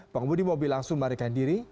pengumum di mobil langsung mereka sendiri